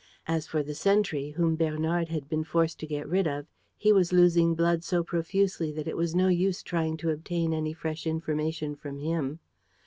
As for the sentry, whom Bernard had been forced to get rid of, he was losing blood so profusely that it was no use trying to obtain any fresh information from him.